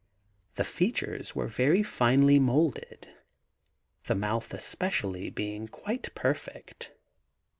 The features were very finely moulded; the mouth especially being quite perfect.